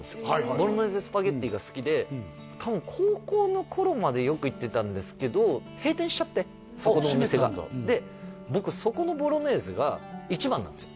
ボロネーゼスパゲティが好きで多分高校の頃までよく行ってたんですけど閉店しちゃってそこのお店があっ閉めたんだで僕そこのボロネーゼが一番なんですよ